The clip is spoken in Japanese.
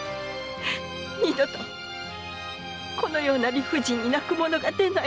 二度とこのような理不尽に泣く者が出ないように。